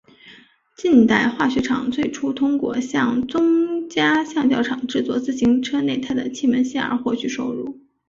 近代化学厂最初通过向宗家橡胶厂制作自行车内胎的气门芯而获取收入。